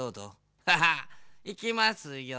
ハハッ。いきますよ。